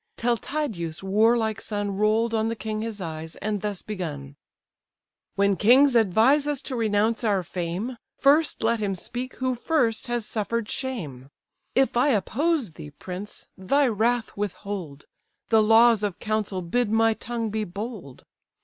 till Tydeus' warlike son Roll'd on the king his eyes, and thus begun: "When kings advise us to renounce our fame, First let him speak who first has suffer'd shame. If I oppose thee, prince! thy wrath withhold, The laws of council bid my tongue be bold.